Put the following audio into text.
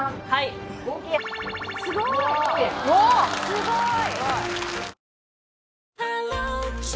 すごい。